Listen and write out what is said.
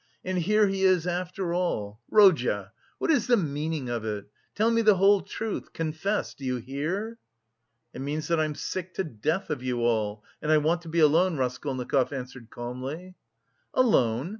And here he is after all. Rodya! What is the meaning of it? Tell me the whole truth! Confess! Do you hear?" "It means that I'm sick to death of you all and I want to be alone," Raskolnikov answered calmly. "Alone?